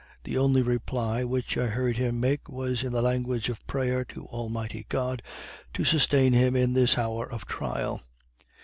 The only reply which I heard him make was in the language of prayer to Almighty God to sustain him in this hour of trial.